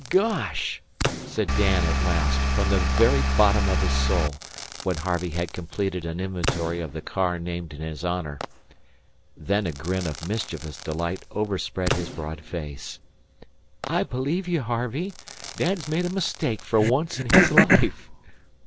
"Gosh!" said Dan at last from the very bottom of his soul when Harvey had completed an inventory of the car named in his honour. Then a grin of mischievous delight overspread his broad face. "I believe you, Harvey. Dad's made a mistake fer once in his life."